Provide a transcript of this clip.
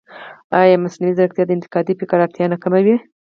ایا مصنوعي ځیرکتیا د انتقادي فکر اړتیا نه کموي؟